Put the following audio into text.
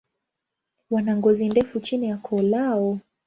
Wana ngozi ndefu chini ya koo lao.